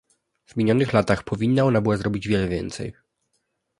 W minionych latach powinna ona była zrobić o wiele więcej